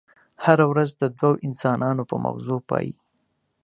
هره ورځ د دوو انسانانو په ماغزو پايي.